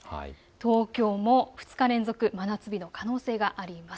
東京も２日連続、真夏日の可能性があります。